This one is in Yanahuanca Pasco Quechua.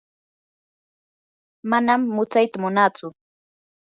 manam mutsyata munaatsu.